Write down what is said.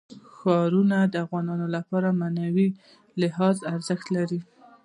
ښارونه د افغانانو لپاره په معنوي لحاظ ارزښت لري.